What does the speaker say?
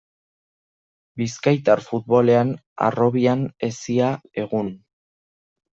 Bizkaitar futbolean harrobian hezia, egun.